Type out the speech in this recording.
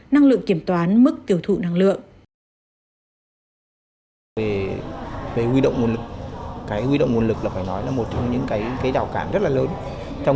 năng lượng kiểm toán mức tiêu thụ năng lượng